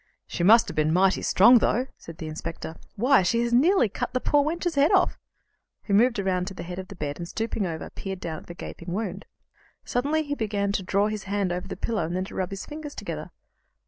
"She must have been mighty strong, though," said the inspector; "why, she has nearly cut the poor wench's head off." He moved round to the head of the bed, and, stooping over, peered down at the gaping wound. Suddenly he began to draw his hand over the pillow, and then rub his fingers together.